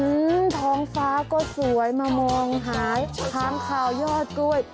อื้อหือท้องฟ้าก็สวยมามองหายค้ามข่าวยอดกล้วย